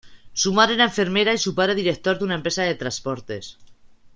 Su madre era enfermera y su padre director de una empresa de transportes.